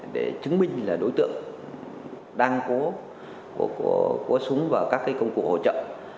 để chứng minh là đối tượng đang cố súng và các công cụ hỗ trợ